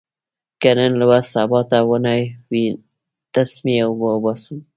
که نن لوست سبا ته ونه وي، تسمې به اوباسم.